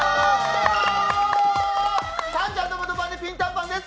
たんちゃんとむとパンでピンタンパンです。